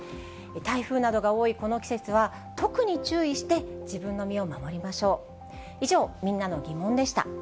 台風などが多いこの季節は特に注意して、自分の身を守りましょう。